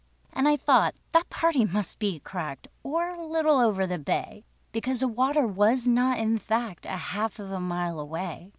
And I thought that party must be cracked, Or a little over the bay; Because the water was not, in fact, A half of a mile away.